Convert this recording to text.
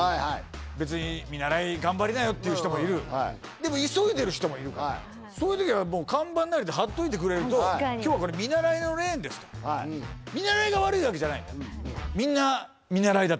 別に見習い頑張りなよっていう人もいるでも急いでる人もいるからそういう時は看板なりで貼っといてくれると今日はこれ見習いのレーンですとはい見習いが悪いわけじゃないのよ